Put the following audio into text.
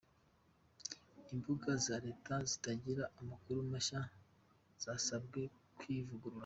Imbuga za Leta zitagira amakuru mashya zasabwe kwivugurura